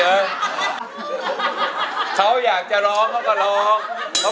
เพื่อจะไปชิงรางวัลเงินล้าน